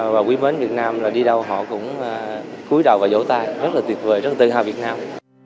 và quý mến việt nam là đi đâu họ cũng cuối đầu và dỗ tay rất là tuyệt vời rất tự hào việt nam